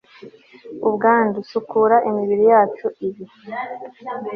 ubwandu, sukura imibiri yacu. ibi